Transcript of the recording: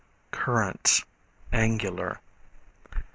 Currents, Angular.